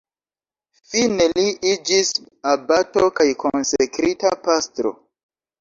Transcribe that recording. Fine li iĝis abato kaj konsekrita pastro.